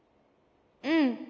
うん。